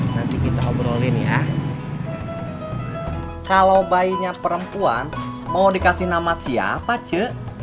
nanti kita obrolin ya kalau bayinya perempuan mau dikasih nama siapa cek